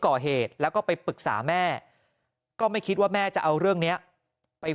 ก่อเหตุแล้วก็ไปปรึกษาแม่ก็ไม่คิดว่าแม่จะเอาเรื่องนี้ไป